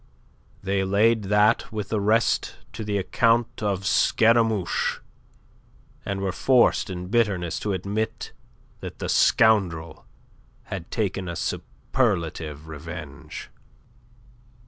They laid that with the rest to the account of Scaramouche, and were forced in bitterness to admit that the scoundrel had taken a superlative revenge.